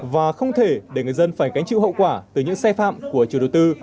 và không thể để người dân phải gánh chịu hậu quả từ những xe phạm của chủ đầu tư